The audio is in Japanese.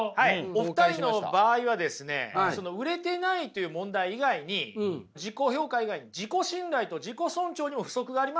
お二人の場合はですね売れてないという問題以外に自己評価以外に自己信頼と自己尊重にも不足がありますよね。